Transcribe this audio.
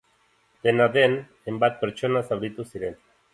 Dena den, hainbat pertsona zauritu ziren.